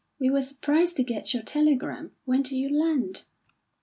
We were surprised to get your telegram. When did you land?"